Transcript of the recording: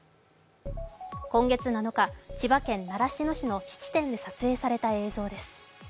今月７日、千葉県習志野市の質店で撮影された映像です。